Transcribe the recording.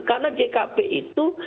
karena jkp itu